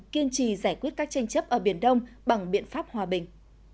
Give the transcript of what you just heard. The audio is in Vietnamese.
kiên trì giải quyết các tranh chấp ở biển đông bằng biện pháp hòa bình